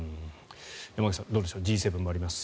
山口さん、どうでしょうＧ７もあります。